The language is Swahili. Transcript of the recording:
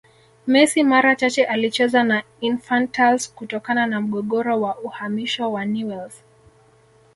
Messi mara chache alicheza na Infantiles kutokana na mgogoro wa uhamisho wa Newells